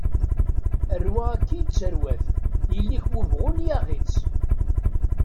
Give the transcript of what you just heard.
Rrwa akka i yettarwat, yelli-k wi bɣun yaɣ-itt.